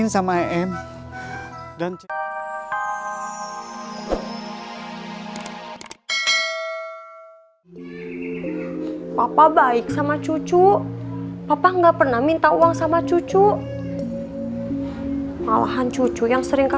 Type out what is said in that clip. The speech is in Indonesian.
sampai jumpa di video selanjutnya